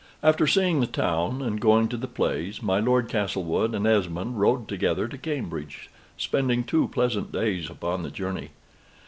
After seeing the town, and going to the plays, my Lord Castlewood and Esmond rode together to Cambridge, spending two pleasant days upon the journey.